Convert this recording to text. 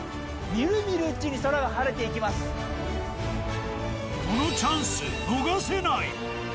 みるみるうちに空が晴れていこのチャンス、逃せない。